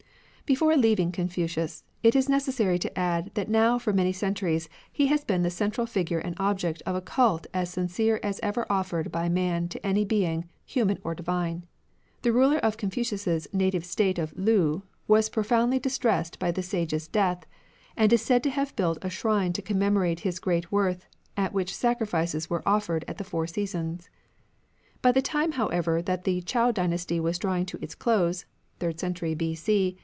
Posthumous Before leaving Confucius, it is neces Honours ^^^^^^^ ^j^^ ^^^^^^ many Confucius, centuries he has been the central figure and object of a cult as sincere as ever offered by man to any being, human or divine. The ruler of Confucius' native State of Lu was profoundly distressed by the Sage's death, and is said to have built a shrine to commem orate his great worth, at which sacrifices were offered at the four seasons. By the time however that the Chou dynasty was drawing to its close (third century B.C.)